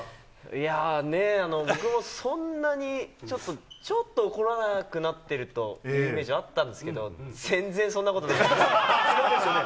いやー、ねぇ、僕もそんなに、ちょっと怒らなくなってるというイメージはあったんですけど、全然そんなことなかったですね。